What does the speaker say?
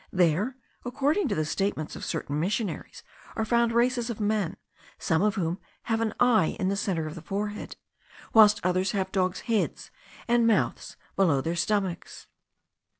There, according to the statements of certain missionaries, are found races of men, some of whom have an eye in the centre of the forehead, whilst others have dogs' heads, and mouths below their stomachs.